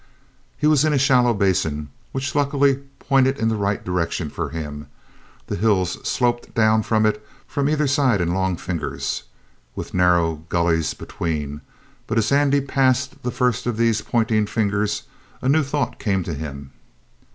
He was in a shallow basin which luckily pointed in the right direction for him. The hills sloped down to it from either side in long fingers, with narrow gullies between, but as Andy passed the first of these pointing fingers a new thought came to him.